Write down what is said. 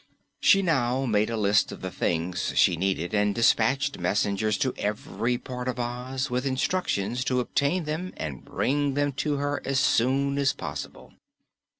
She now made a list of the things she needed and dispatched messengers to every part of Oz with instructions to obtain them and bring them to her as soon as possible.